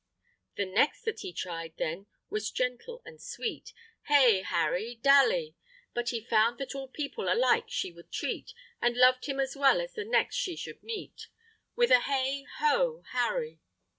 The next that he tried then was gentle and sweet, Hey, Harry Dally! But he found that all people alike she would treat, And loved him as well as the next she should meet, With a hey ho, Harry!